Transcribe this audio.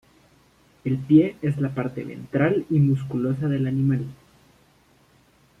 El pie es la parte ventral y musculosa del animal.